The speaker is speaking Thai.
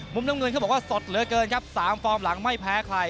มุมน้ำเงินเขาบอกว่าสดเหลือเกินครับ๓ฟอร์มหลังไม่แพ้ใคร